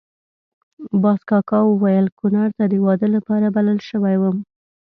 باز کاکا ویل کونړ ته د واده لپاره بلل شوی وم.